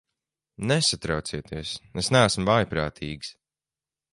Nesatraucieties, es neesmu vājprātīgs.